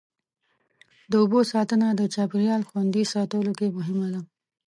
د اوبو ساتنه د چاپېریال خوندي ساتلو کې مهمه ده.